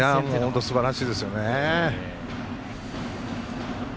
本当、すばらしいですよね。